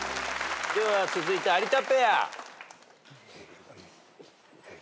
では続いて有田ペア。